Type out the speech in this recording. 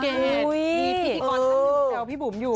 แล้วมีพี่ที่ความรักได้ว่าพี่บุ๋มอยู่